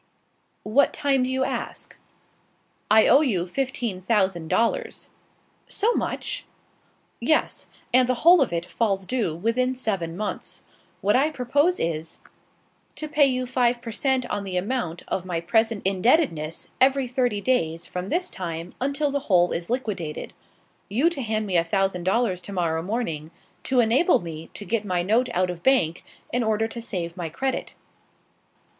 "What time do you ask?" "I owe you fifteen thousand dollars." "So much?" "Yes; and the whole of it falls due within seven months. What I propose is, to pay you five per cent. on the amount of my present indebtedness every thirty days from this time until the whole is liquidated; you to hand me a thousand dollars to morrow morning, to enable me to get my note out of bank, in order to save my credit."